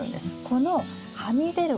このはみ出る